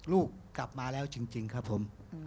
ลูกกลับมาแล้วจริงครับผม